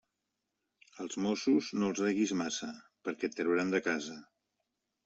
Als mossos no els deguis massa, perquè et trauran de casa.